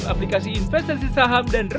iya pak ada yang bisa saya bantu